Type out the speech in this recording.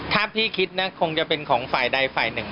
ถ้าพี่คิดนะคงจะเป็นของฝ่ายใดฝ่ายหนึ่ง